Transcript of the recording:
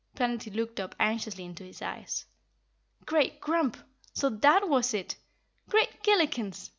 Planetty looked up anxiously into his eyes. "Great Grump! So that was it! Great Gillikens!